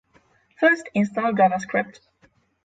First, install JavaScript